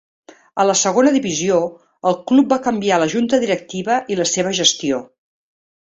A la Segona Divisió el club va canviar la junta directiva i la seva gestió.